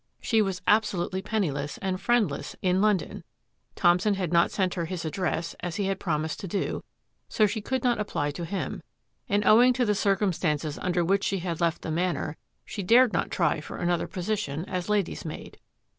She was absolutely penniless and friendless in London ; Thompson had not sent her his address as he had promised to do, so she could not apply to him ; and, owing to the circumstances under which she had '.'ii^ left the Manor, she dared not try for another po sition as lady's maid.